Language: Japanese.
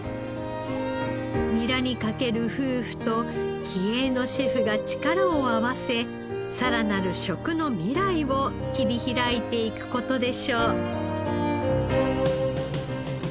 ニラにかける夫婦と気鋭のシェフが力を合わせさらなる食の未来を切り開いていく事でしょう。